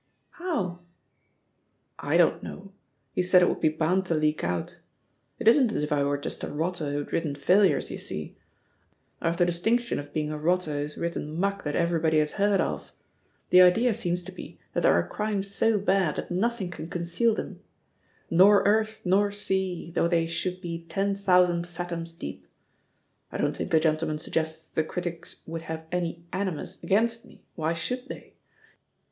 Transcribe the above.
"How?" "I don't know. He said it would be bound to leak out. It isn't as if I were just a rotter who'd written failures, you see — I've the dis tinction of being a rotter who's written muck that everybody has heard of. The idea seems to THE POSITION OF PEGGY HARPER 3831 be that there are crimes so bad that nothing can conceal them — ^"nor earth, nor sea, though they should be ten thousand fathoms deepM I don't think the gentleman suggests the critics would have any animus against me, why should they?